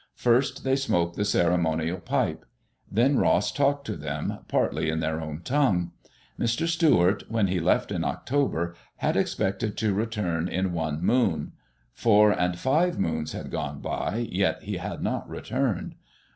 First they smoked the ceremonial pipe. Then Ross talked to them, partly in their own tongue. Mr. Stuart, when he left. in October, had expected to return in one moon; four and five moons had gone by, yet he had not returned.